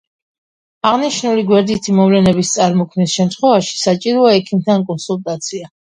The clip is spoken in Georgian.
აღნიშნული გვერდითი მოვლენების წარმოქმნის შემთხვევაში საჭიროა ექიმთან კონსულტაცია.